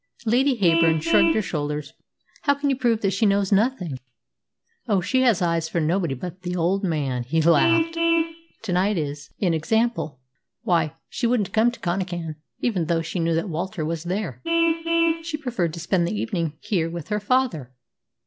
Lady Heyburn shrugged her shoulders. "How can you prove that she knows nothing?" "Oh, she has eyes for nobody but the old man," he laughed. "To night is an example. Why, she wouldn't come to Connachan, even though she knew that Walter was there. She preferred to spend the evening here with her father."